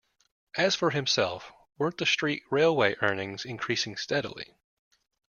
As for himself, weren't the street railway earnings increasing steadily.